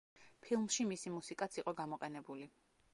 ფილმში მისი მუსიკაც იყო გამოყენებული.